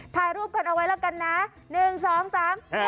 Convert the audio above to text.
ถ่ายรูปกันเอาไว้แล้วกันนะ